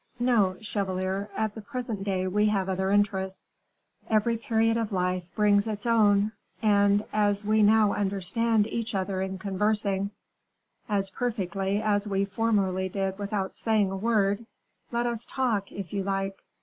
"No, chevalier, at the present day we have other interests. Every period of life brings its own; and, as we now understand each other in conversing, as perfectly as we formerly did without saying a word, let us talk, if you like."